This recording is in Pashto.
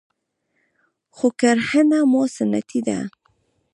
خو کرهنه مو سنتي ده